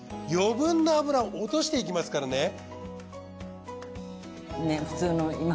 余分な油を落としていきますからね。